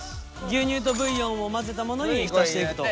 牛乳とブイヨンを混ぜたものに浸していくと。